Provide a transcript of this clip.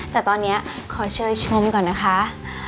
แต่ตอนนี้ขอเชิญชมก่อนนะคะ